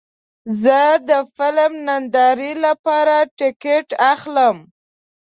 زه د فلم نندارې لپاره ټکټ اخلم.